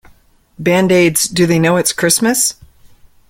Band Aid's Do They Know It's Christmas?